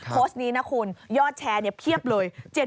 โพสต์นี้นะคุณยอดแชร์เพียบเลย